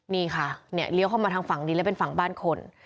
นี่ค่ะเนี่ยเลี้ยวเข้ามาทางฝั่งนี้แล้วเป็นฝั่งบ้านคน